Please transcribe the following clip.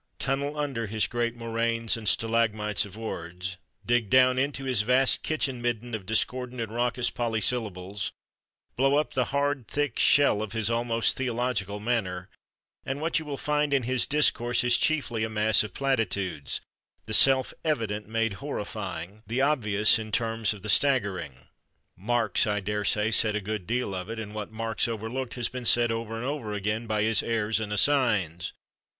Tunnel under his great moraines and stalagmites of words, dig down into his vast kitchen midden of discordant and raucous polysyllables, blow up the hard, thick shell of his almost theological manner, and what you will find in his discourse is chiefly a mass of platitudes—the self evident made horrifying, the obvious in terms of the staggering. Marx, I daresay, said a good deal of it, and what Marx overlooked has been said over and over again by his heirs and assigns.